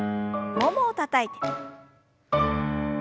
ももをたたいて。